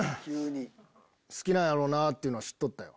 好きなんやろなっていうのは知っとったよ。